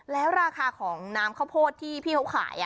แล้วราคาของน้ำข้าวโพดที่พี่เขาขาย